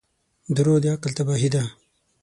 • دروغ د عقل تباهي ده.